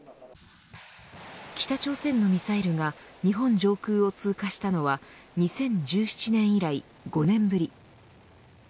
北朝鮮のミサイルが日本上空を通過したのは２０１７年以来、５年ぶり。